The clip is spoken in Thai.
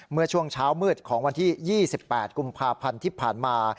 เมื่อช่วงเช้ามืดของวันที่๒๘กุมภาพันธ์ที่ผ่านมา